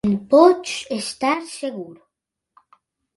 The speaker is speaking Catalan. En pots estar segur.